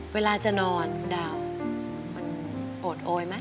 เวลาจะนอนคุณดาวมันโอดโอยไหม